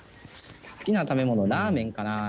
好きな食べ物ラーメンかな。